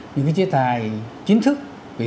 những cái chế tài chính thức